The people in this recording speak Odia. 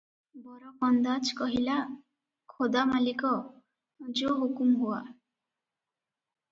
"ବରକନ୍ଦାଜ କହିଲା, "ଖୋଦା ମାଲିକ, ଯୋ ହୁକୁମ ହୁଆ ।"